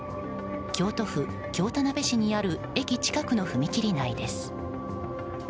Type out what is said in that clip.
京都府京田辺市にある駅近くの踏切内です。